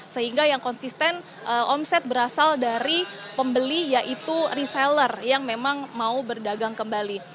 sehingga yang konsisten omset berasal dari pembeli yaitu reseller yang memang mau berdagang kembali